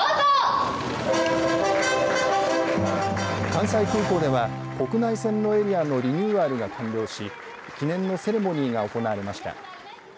関西空港では国内線のエリアのリニューアルが完了し記念のセレモニーが行われました。